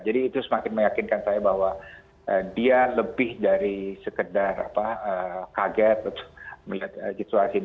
jadi itu semakin meyakinkan saya bahwa dia lebih dari sekedar kaget melihat situasi ini